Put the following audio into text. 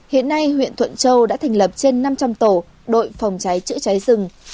hiện nay huyện thuận châu đã thành lập trên năm trăm linh tổ đội phòng cháy chữa cháy rừng